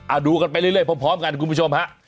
เอาดูกันไปเรื่อยพร้อมกันคุณผู้ชมฮะ